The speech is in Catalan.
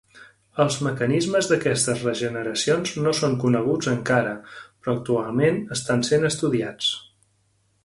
Els mecanismes d'aquestes regeneracions no són coneguts encara, però actualment estan sent estudiats.